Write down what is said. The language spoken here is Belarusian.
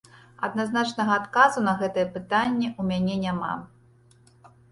Адназначнага адказу на гэтае пытанне ў мяне няма.